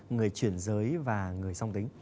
người chuyển giới và người song tính